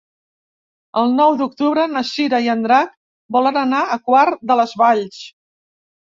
El nou d'octubre na Cira i en Drac volen anar a Quart de les Valls.